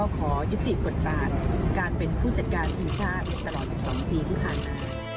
ขอยุติปฎบาลการเป็นผู้จัดการทีมชาติตลอดสองปีทุกท่านนะ